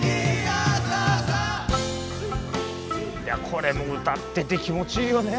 これも歌ってて気持ちいいよね。